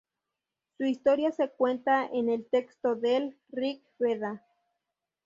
Su historia se cuenta en el texto del "Rig-veda".